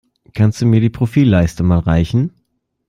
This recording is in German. Kannst du mir die Profilleiste mal reichen?